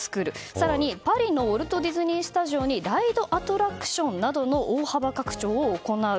更にパリのウォルト・ディズニースタジオにライドアトラクションなどの大幅拡張を行う。